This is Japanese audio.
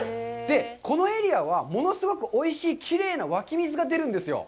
このエリアは物すごくおいしい、きれいな湧き水が出るんですよ。